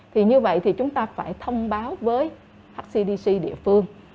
thì như vậy thì chúng ta phải thông báo với hcdc địa phương